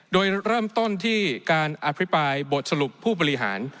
โดยเริ่มต้นที่การอภิปรายบทสรุปผู้บริหาร